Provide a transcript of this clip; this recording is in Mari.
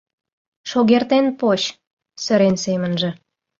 «Шогертен поч!» — сырен семынже.